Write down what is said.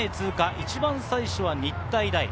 一番最初は日体大。